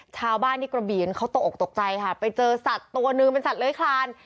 ชาวบ้านที่กระบีนเขาตกออกตกใจค่ะไปเจอสัตว์ตัวหนึ่งเป็นสัตว์เลื้อยคลาน